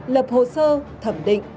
lập hồ sơ thẩm định